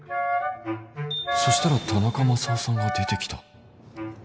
そしたら田中マサオさんが出てきた